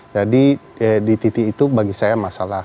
jadi di titik itu bagi saya masalah